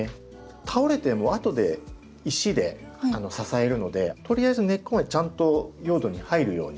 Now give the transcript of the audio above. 倒れても後で石で支えるのでとりあえず根っこがちゃんと用土に入るように。